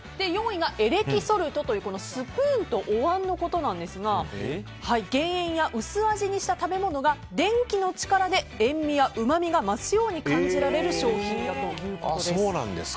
４位が、エレキソルトというスプーンとおわんのことなんですが減塩や、薄味にした食べ物が電気の力で塩みやうまみが増すように感じられる商品だということです。